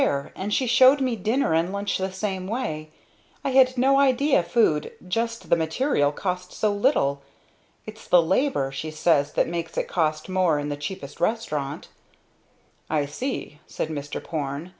And she showed me dinner and lunch the same way. I had no idea food, just the material, cost so little. It's the labor, she says that makes it cost even in the cheapest restaurant." "I see," said Mr. Porne.